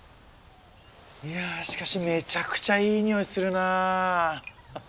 いやしかしめちゃくちゃいいにおいするな。